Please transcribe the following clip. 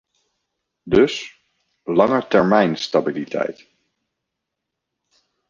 Dus, langetermijnstabiliteit.